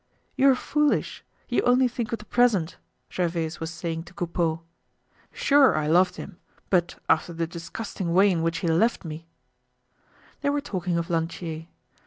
"You're foolish! You only think of the present," Gervaise was saying to Coupeau. "Sure, I loved him, but after the disgusting way in which he left me—" They were talking of Lantier.